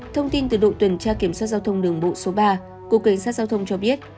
thông tin từ đội tuyển tra kiểm soát giao thông đường bộ số ba của cqg cho biết